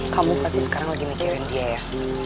kamu pasti sekarang lagi mikirin dia ya